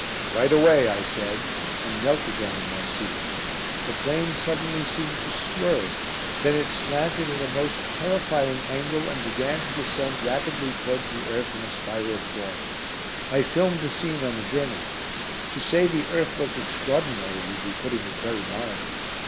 "Right away," I said, and knelt again in my seat. The plane suddenly seemed to swerve. Then it slanted at a most terrifying angle, and began to descend rapidly towards the earth in a spiral form. I filmed the scene on the journey. To say the earth looked extraordinary would be putting it very mildly.